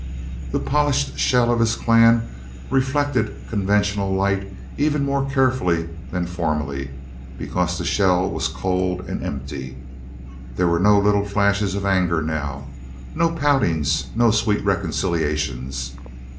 The polished shell of his clan reflected conventional light even more carefully than formerly because the shell was cold and empty. There were no little flashes of anger now, no poutings nor sweet reconciliations.